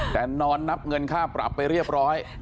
แต่นอนนับเงินค่าปรับไปเรียบร้อย